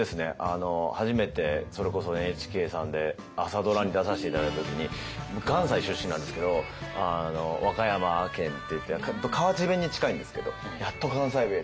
初めてそれこそＮＨＫさんで朝ドラに出させて頂いた時に僕関西出身なんですけど和歌山県っていって河内弁に近いんですけど。